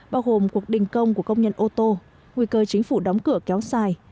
bao gồm cuộc đình công của công nhân ô tô nguy cơ chính phủ đóng cửa kéo dài